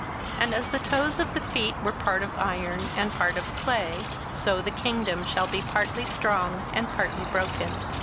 27:002:042 And as the toes of the feet were part of iron, and part of clay, so the kingdom shall be partly strong, and partly broken.